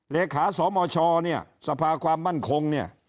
เลขาสมชอสภาไว้มั่นคง